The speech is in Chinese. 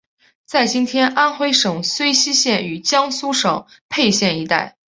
在今天安微省睢溪县与江苏省沛县一带。